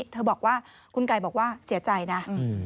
เธอบอกว่าคุณไก่บอกว่าเสียใจนะ